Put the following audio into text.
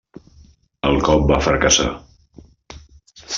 El cop va fracassar.